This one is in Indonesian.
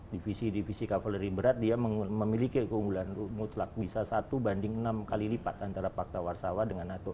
divisi divisi kavaleri berat dia memiliki keunggulan mutlak bisa satu banding enam kali lipat antara fakta warsawa dengan nato